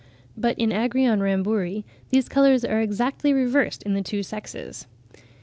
But in Agrion Ramburii these colours are exactly reversed in the two sexes. (51. Walsh, ibid.